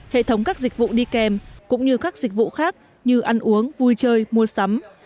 hệ thống các dịch vụ đi kèm cũng như các dịch vụ khác như ăn uống vui chơi mua sắm